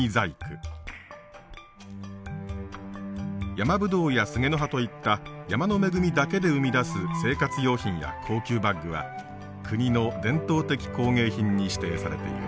ヤマブドウやスゲの葉といった山の恵みだけで生み出す生活用品や高級バッグは国の伝統的工芸品に指定されている。